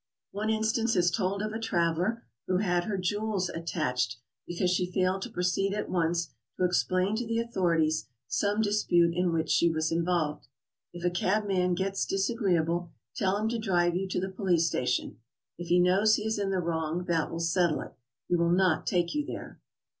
One instance is told of a traveler who had her jewels attached because she failed to proceed at once to explain to the author ities some dispute in which she was involved. If a cabman gets disagreeable, tell him to drive you to the police station; if he knows he is in the wrong, that will settle it; he will not take 3^ou there.